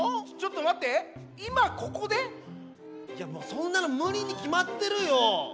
そんなのむりにきまってるよ。